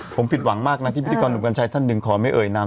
ผมผิดหวังมากนะที่พิธีกรหนุ่มกัญชัยท่านหนึ่งขอไม่เอ่ยนาม